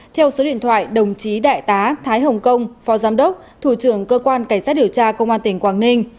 theo số điện thoại đồng chí đại tá thái hồng kông phó giám đốc thủ trưởng cơ quan cảnh sát điều tra công an tỉnh quảng ninh